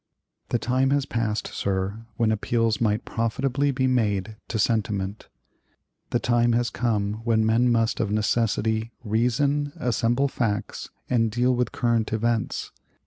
"The time has passed, sir, when appeals might profitably be made to sentiment. The time has come when men must of necessity reason, assemble facts, and deal with current events.